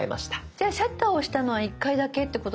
じゃあシャッターを押したのは１回だけってことですか？